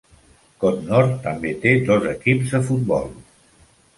Codnor també té dos equips de futbol.